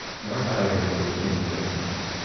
Nor have I heard what became of him.